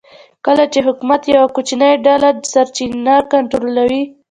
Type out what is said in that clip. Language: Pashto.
کله چې حکومت او یوه کوچنۍ ډله سرچینې کنټرولوي